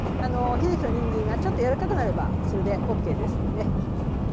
ひじきとにんじんがちょっとやわらかくなればそれでＯＫですので。